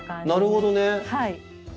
なるほどね。